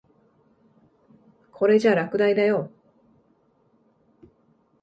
これじゃ落第だよ。